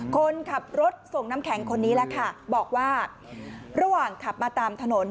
คนขับรถส่งน้ำแข็งคนนี้แหละค่ะบอกว่าระหว่างขับมาตามถนน